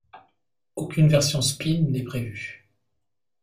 Aucune version Speed n'est prévue.